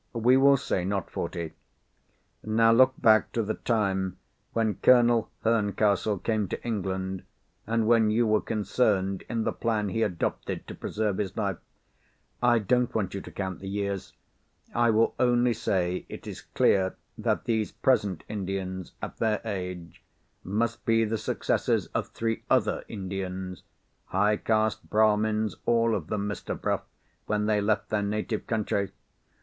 We will say not forty. Now look back to the time when Colonel Herncastle came to England, and when you were concerned in the plan he adopted to preserve his life. I don't want you to count the years. I will only say, it is clear that these present Indians, at their age, must be the successors of three other Indians (high caste Brahmins all of them, Mr. Bruff, when they left their native country!)